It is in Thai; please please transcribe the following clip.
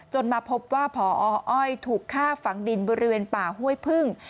มาพบว่าพออ้อยถูกฆ่าฝังดินบริเวณป่าห้วยพึ่ง